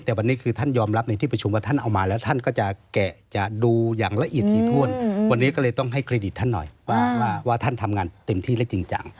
แต่วันนี้คือท่านยอมรับในที่ประชุมว่าท่านเอามาแล้วท่านก็จะแกะจะดูอย่างละเอียดถี่ถ้วนวันนี้ก็เลยต้องให้เครดิตท่านหน่อยว่าท่านทำงานเต็มที่และจริงจัง